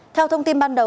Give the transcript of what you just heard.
theo thông tin ban đầu